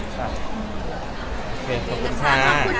โอเคขอบคุณค่ะ